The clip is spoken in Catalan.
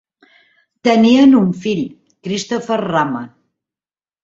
Tenien un fill, Christopher Rama.